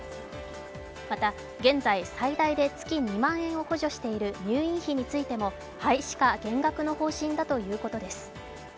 また現在、最大で月２万円を補助している入院費についても廃止か減額の方針だということです。